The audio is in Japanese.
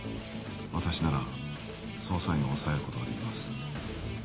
私なら捜査員を抑えることができます